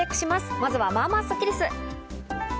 まずは、まあまあスッキりす。